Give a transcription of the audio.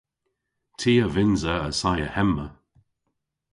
Ty a vynnsa assaya hemma.